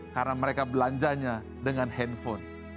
karena mereka belanjanya dengan handphone